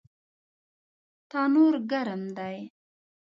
تنور ګرم دی